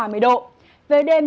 về đêm nhiệt độ sẽ tăng hơn